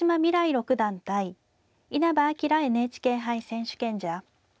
六段対稲葉陽ＮＨＫ杯選手権者。